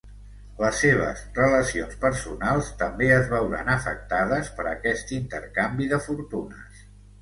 Les seves relacions personals també es veuran afectades per aquest intercanvi de fortunes.